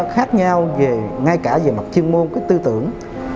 khác nhau về ngay cả về mặt chuyên môn cái tư tưởng